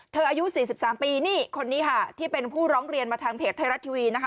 อายุ๔๓ปีนี่คนนี้ค่ะที่เป็นผู้ร้องเรียนมาทางเพจไทยรัฐทีวีนะคะ